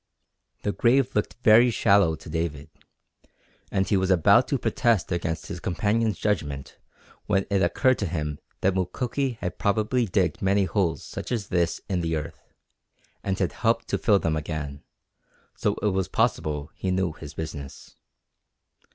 The grave looked very shallow to David, and he was about to protest against his companion's judgment when it occurred to him that Mukoki had probably digged many holes such as this in the earth, and had helped to fill them again, so it was possible he knew his business.